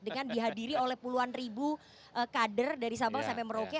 dengan dihadiri oleh puluhan ribu kader dari sabang sampai merauke